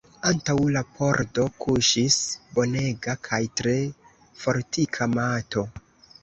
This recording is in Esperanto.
Antaŭ la pordo kuŝis bonega kaj tre fortika mato.